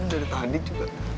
ini udah ada tahanin juga